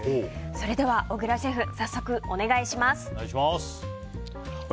それでは、小倉シェフ早速お願いします。